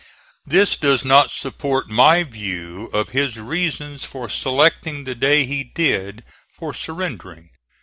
This does not support my view of his reasons for selecting the day he did for surrendering.